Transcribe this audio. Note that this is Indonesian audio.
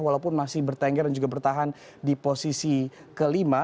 walaupun masih bertengger dan juga bertahan di posisi kelima